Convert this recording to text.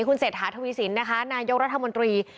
คุณเศทาธาวิสินนะคะนายกราธมนตรี